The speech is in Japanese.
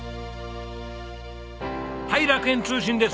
はい楽園通信です。